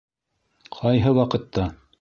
Ҡайһы ваҡытта